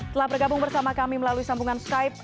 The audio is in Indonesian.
telah bergabung bersama kami melalui sambungan skype